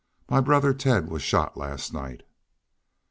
My brother Ted was shot last night."